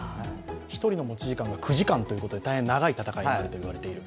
１人の持ち時間が９時間ということで大変長い戦いになると言われている。